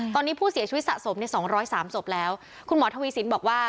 ตอนนี้ผู้เสียชีวิตสะสมในสองร้อยสามศพแล้วคุณหมอทวีสินบอกว่า